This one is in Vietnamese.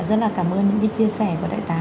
rất là cảm ơn những cái chia sẻ của đại tá